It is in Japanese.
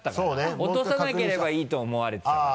落とさなければいいと思われてたから。